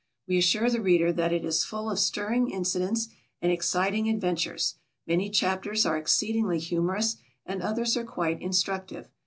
We assure the reader that it is full of stirring incidents and exciting adventures. Many chapters are exceedingly humorous, and others are quite instructive.